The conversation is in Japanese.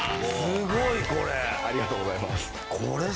すごいこれ。